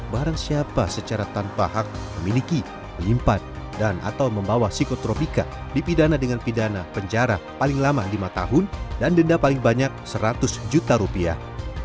barang siapa secara tanpa hak memiliki menyimpan dan atau membawa psikotropika dipidana dengan pidana penjara paling lama lima tahun dan denda paling banyak seratus juta rupiah